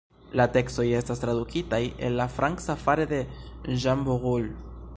La tekstoj estas tradukitaj el la franca fare de Jean Borel.